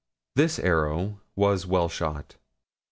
This arrow was well shot.